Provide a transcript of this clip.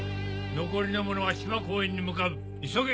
残りの者は芝公園に向かう急げ！